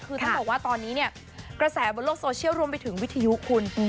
คือต้องบอกว่าตอนนี้เนี่ยกระแสบนโลกโซเชียลรวมไปถึงวิทยุคุณ